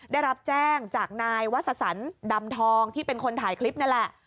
ได้รับแจ้งจากนายวสันดำทองที่เป็นคนถ่ายคลิปนั่นแหละ